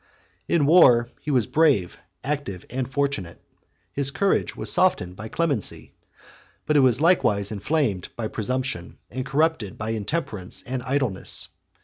In war he was brave, active, and fortunate; his courage was softened by clemency; but it was likewise inflamed by presumption, and corrupted by intemperance and idleness.